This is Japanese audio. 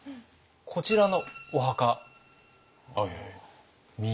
こちらのお墓。